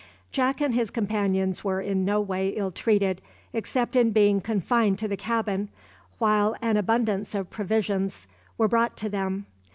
Jack and his companions were in no way ill treated, except in being confined to the cabin, while an abundance of provisions were brought to them.